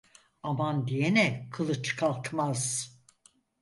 Aman diyene kılıç kalkmaz.